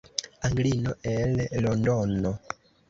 Anglino el Londono!